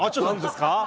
なんですか？